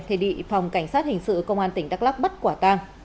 thì địa phòng cảnh sát hình sự công an tỉnh đắk lắk bất quả tàng